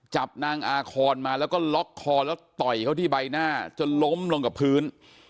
จับนางอาคอนมาแล้วก็ล็อกคอแล้วต่อยเขาที่ใบหน้าจนล้มลงกับพื้น